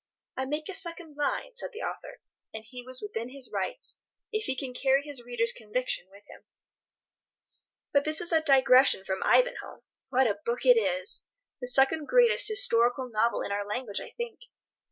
"I make a second line," said the author; and he was within his rights, if he can carry his readers' conviction with him. But this is a digression from "Ivanhoe." What a book it is! The second greatest historical novel in our language, I think.